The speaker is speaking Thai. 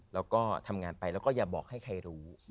แล้วก็ทำงานไปแล้วก็อย่าบอกให้ใครรู้